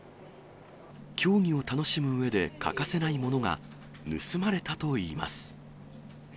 競技を楽しむうえで欠かせないものが、盗まれたといいます。